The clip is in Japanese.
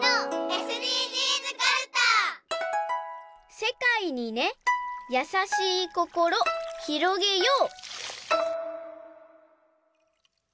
「せかいにねやさしいこころひろげよう」。